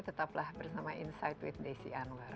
tetaplah bersama insight with desi anwar